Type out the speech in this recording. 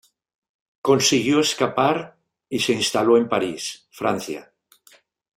Consiguió escapar y se instaló en París, Francia.